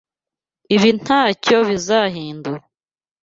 Ibi ntacyo bizahindura.